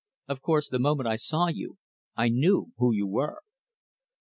Of course, the moment I saw, you I knew who you were."